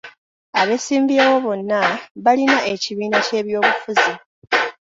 Abeesimbyewo bonna balina ekibiina ky'eby'obufuzi.